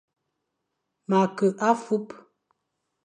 Ma ke afup.